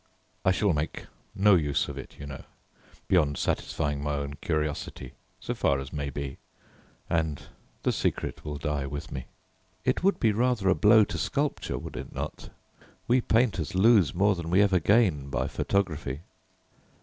"I shall make no use of it, you know, beyond satisfying my own curiosity so far as may be, and the secret will die with me." "It would be rather a blow to sculpture, would it not? We painters lose more than we ever gain by photography."